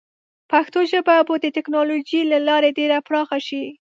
پښتو ژبه به د ټیکنالوجۍ له لارې ډېره پراخه شي.